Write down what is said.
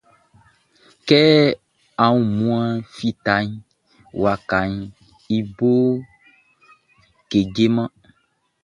Kɛ aunmuanʼn fitaʼn, wakaʼn i boʼn kejeman.